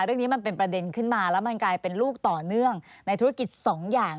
เรื่องนี้มันเป็นประเด็นขึ้นมาแล้วมันกลายเป็นลูกต่อเนื่องในธุรกิจสองอย่าง